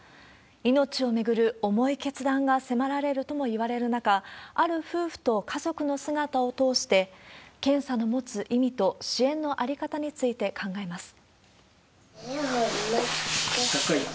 命を巡る重い決断が迫られるともいわれる中、ある夫婦と家族の姿を通して、検査の持つ意味と支援の在り方について考えます。